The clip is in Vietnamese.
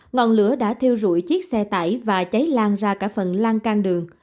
ngọn lửa đã thiêu rụi chiếc xe tải và cháy lan ra cả phần lan can đường